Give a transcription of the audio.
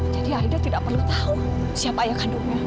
jadi aida tidak perlu tahu siapa ayah kandungnya